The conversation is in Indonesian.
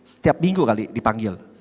setiap minggu kali dipanggil